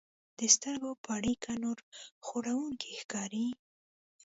د سترګو په اړیکه نور خوړونکي ښکاري.